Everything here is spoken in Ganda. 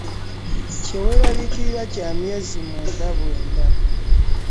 Kye weeraliikirira kya myezi mwenda bwenda.